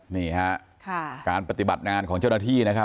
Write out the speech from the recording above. นี่ฮะการปฏิบัติงานของเจ้าหน้าที่นะครับ